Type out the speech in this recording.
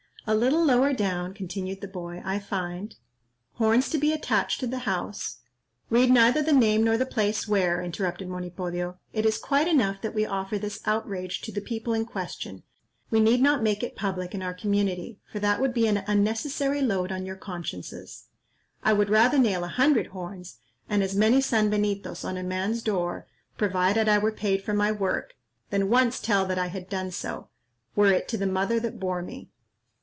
"A little lower down," continued the boy, "I find, 'Horns to be attached to the house—'" "Read neither the name nor the place where," interrupted Monipodio. "It is quite enough that we offer this outrage to the people in question; we need not make it public in our community, for that would be an unnecessary load on your consciences. I would rather nail a hundred horns, and as many sanbenitos, on a man's door, provided I were paid for my work, than once tell that I had done so, were it to the mother that bore me."